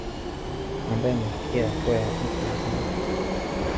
Ambae amefikia hatua ya utu uzima